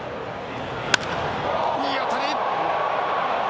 いい当たり。